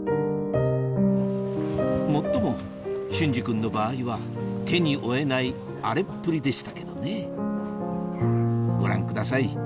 もっとも隼司君の場合は手に負えない荒れっぷりでしたけどねご覧ください